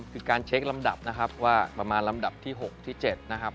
คือการเช็คลำดับนะครับว่าประมาณลำดับที่๖ที่๗นะครับ